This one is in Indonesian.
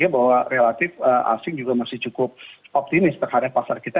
bahwa relatif asing juga masih cukup optimis terhadap pasar kita